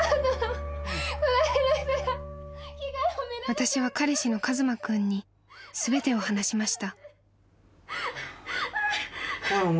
［私は彼氏の一馬君に全てを話しました］